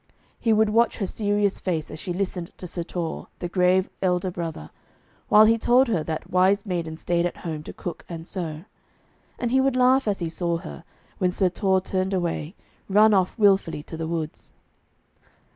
He would watch her serious face as she listened to Sir Torre, the grave elder brother, while he told her that wise maidens stayed at home to cook and sew. And he would laugh as he saw her, when Sir Torre turned away, run off wilfully to the woods.